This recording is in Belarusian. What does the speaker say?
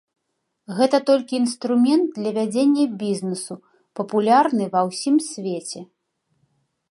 Гэта толькі інструмент для вядзення бізнесу, папулярны ва ўсім свеце.